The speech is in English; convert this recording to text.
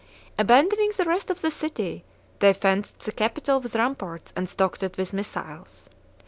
Abandoning the rest of the city, they fenced the Capitol with ramparts and stocked it with missiles.